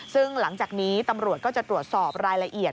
ซึ่งหลังจากนี้ตำรวจก็จะตรวจสอบรายละเอียด